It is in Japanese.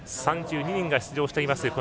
３２人が出場しています